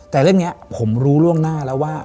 แต่เรื่องนี้ผมรู้ล่วงหน้าแล้วว่า